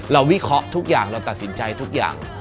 วิเคราะห์ทุกอย่างเราตัดสินใจทุกอย่าง